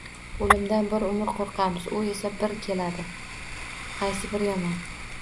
O’limdan bir umr qo’rqamiz, u esa bir keladi. Qaysi biri yomon?